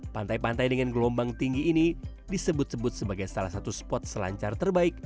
pantai pantai dengan gelombang tinggi ini disebut sebut sebagai salah satu spot selancar terbaik